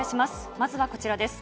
まずはこちらです。